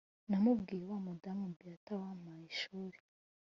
namubwiye wa mudamu Béatha wampaye ishuli